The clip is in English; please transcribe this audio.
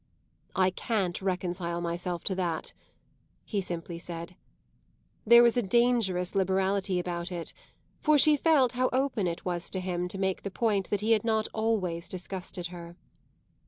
"I can't reconcile myself to that," he simply said. There was a dangerous liberality about it; for she felt how open it was to him to make the point that he had not always disgusted her.